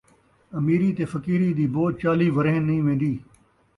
امیری تے فقیری دی بو چالیہہ ورینہہ نئیں ویندی